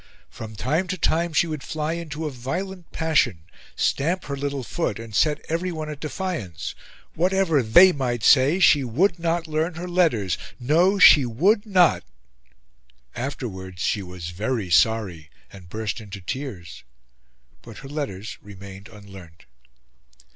From time to time, she would fly into a violent passion, stamp her little foot, and set everyone at defiance; whatever they might say, she would not learn her letters no, she WOULD NOT; afterwards, she was very sorry, and burst into tears; but her letters remained unlearnt.